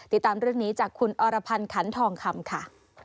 ติดตามเรื่องนี้จากคุณอรพันธ์ขันทองคำค่ะ